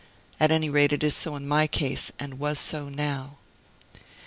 At any rate it is so in my case, and was so now.